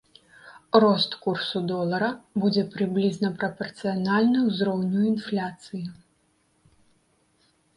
Рост курсу долара будзе прыблізна прапарцыянальны ўзроўню інфляцыі.